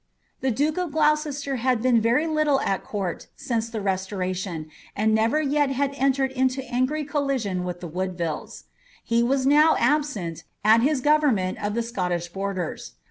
The duke of Gloucester had been very little at court since the restoration, and never yet had entered into angry collision with the Woodvilles. He was now absent, at his government of the Scottish borders.